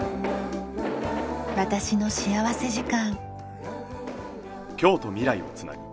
『私の幸福時間』。